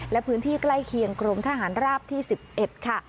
และพื้นที่ใกล้เคียงกรมทหารราบที่๑๑ค่ะ